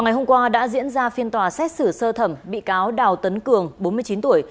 ngày hôm qua đã diễn ra phiên tòa xét xử sơ thẩm bị cáo đào tấn cường bốn mươi chín tuổi